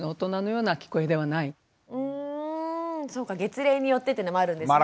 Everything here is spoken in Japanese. うんそっか月齢によってっていうのもあるんですね。